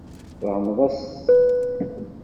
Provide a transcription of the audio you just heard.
Tfehmeḍ-as?